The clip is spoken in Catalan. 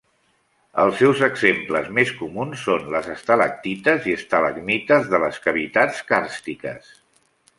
Els seus exemples més comuns són les estalactites i estalagmites de les cavitats càrstiques.